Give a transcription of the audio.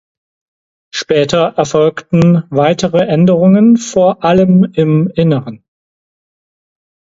Später erfolgten weitere Änderungen vor allem im Inneren.